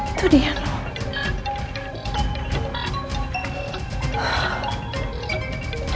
itu dia nuh